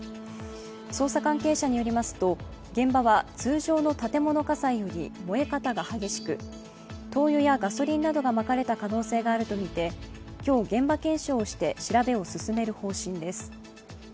捜査関係者によりますと現場は通常の建物火災より燃え方が激しく灯油やガソリンなどがまかれた可能性があるとみて今日現場検証をして調べを進める方針です。